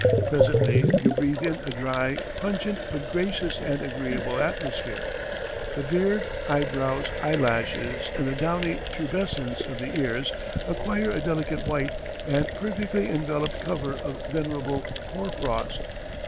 Presently you breathe in a dry, pungent but gracious and agreeable atmosphere. The beard, eyebrows, eyelashes, and the downy pubescence of the ears acquire a delicate white and perfectly enveloped cover of venerable hoar frost.